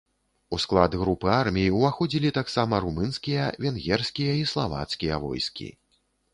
У склад групы армій уваходзілі таксама румынскія, венгерскія і славацкія войскі.